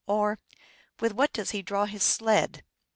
" or, " With what does he draw his sled?